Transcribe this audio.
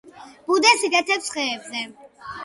ბუდეს იკეთებს ხეებზე.